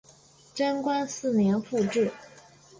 贞观四年复置。